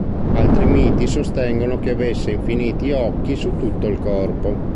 Altri miti sostengono che avesse infiniti occhi su tutto il corpo.